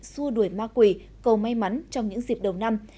xua đuổi ma quỷ cầu may mắn trong những dịp đầu năm